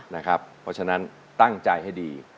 เพราะฉะนั้นตั้งใจให้ดี